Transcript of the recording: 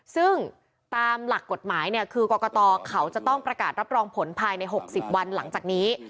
ซึ่งตามหลักกฎหมายเนี่ยคือกรกตเขาจะต้องประกาศรับรองผลภายใน๖๐วันหลังจากนี้